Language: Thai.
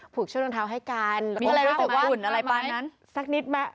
ผูกเชือกรองเท้าให้กันมีอะไรรู้สึกว่าอุ่นอะไรไป